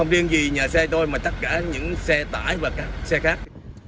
riêng gì nhà xe thôi mà tất cả những xe tải và các xe khác